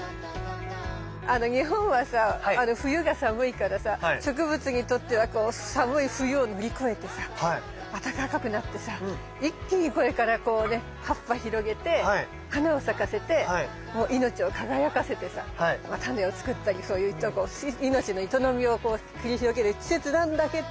日本はさ冬が寒いからさ植物にとってはこう寒い冬を乗り越えてさ暖かくなってさ一気にこれからこうね葉っぱ広げて花を咲かせてもう命を輝かせてさタネを作ったりそういう命の営みを繰り広げる季節なんだけど！